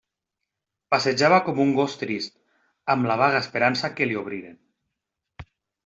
Passejava com un gos trist, amb la vaga esperança que li obriren.